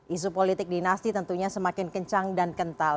isu politik dinasti tentunya semakin kencang dan kental